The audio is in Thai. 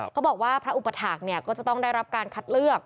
เขาบอกว่าพระอุปถาคก็จะต้องได้รับการคัดเลือก